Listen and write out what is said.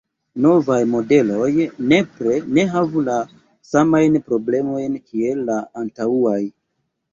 Novaj modeloj nepre ne havu la samajn problemojn kiel la antaŭaj.